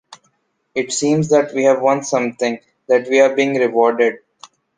It seems that we won something, that we are being rewarded.